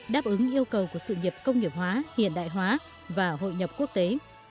đáp ứng yêu cầu của sự nghiệp công nghiệp hóa hiện đại hóa và hội nhập quốc tế